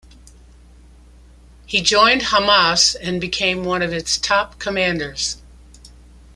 He joined Hamas and became one of its top commanders.